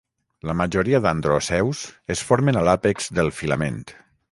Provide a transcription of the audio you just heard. La majoria d'androceus es formen a l'àpex del filament.